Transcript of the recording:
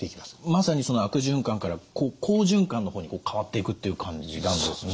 まさにその悪循環から好循環の方に変わっていくという感じなんですね。